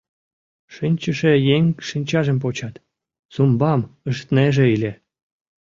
Шинчыше еҥ шинчажым почат, “сумбам” ыштынеже ыле.